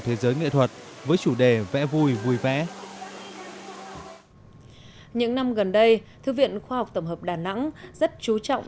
tính đến nay số lượng bạn đọc của thư viện khoa tổng hợp đà nẵng là hơn hai mươi hai